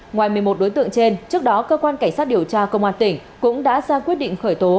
ngoài một mươi một đối tượng trên trước đó cơ quan cảnh sát điều tra công an tỉnh cũng đã ra quyết định khởi tố